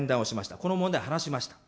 この問題、話しました。